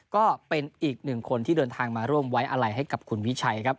ก็เป็นอีกหนึ่งคนที่เดินทางมาร่วมไว้อะไรให้กับคุณวิชัยครับ